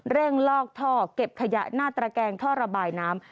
ลอกท่อเก็บขยะหน้าตระแกงท่อระบายน้ำ